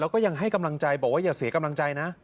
บอกว่าอย่าเสียกำลังใจนะ